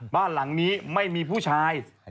บ้านหลังนี้ไม่มีผู้ชาย